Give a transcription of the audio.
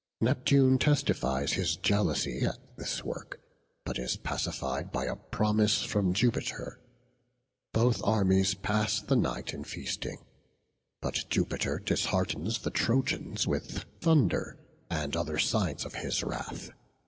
Neptune testifies his jealousy at this work, but is pacified by a promise from Jupiter. Both armies pass the night in feasting, but Jupiter disheartens the Trojans with thunder and other signs of his wrath.